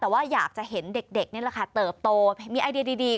แต่ว่าอยากจะเห็นเด็กเติบโตมีไอเดียดี